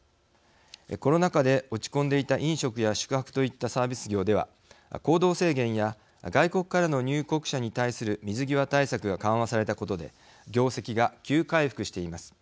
コロナ禍で落ち込んでいた飲食や宿泊といったサービス業では、行動制限や外国からの入国者に対する水際対策が緩和されたことで業績が急回復しています。